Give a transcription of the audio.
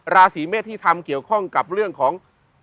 ราศีเมษที่ทำเกี่ยวข้องกับเรื่องของ